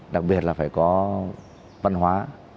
đặc biệt là phải có văn hóa